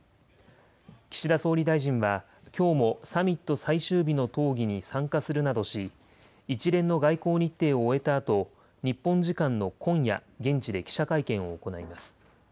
岸田総理大臣はきょうもサミット最終日の討議に参加するなどし、一連の外交日程を終えたあと、日本時間の今夜、現地で記者会見を行います。